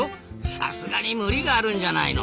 さすがに無理があるんじゃないの？